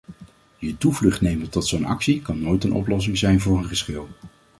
Je toevlucht nemen tot zo'n actie kan nooit een oplossing zijn voor een geschil.